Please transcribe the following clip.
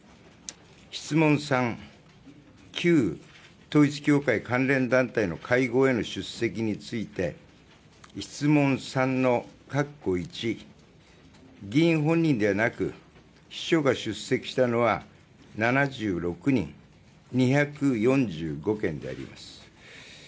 質問３、旧統一教会関連団体の会合への出席について質問３のかっこ１、議員本人ではなく秘書が出席したのは７６人、２４５件であります。